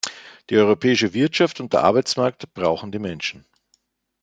Die europäische Wirtschaft und der Arbeitsmarkt brauchen die Menschen.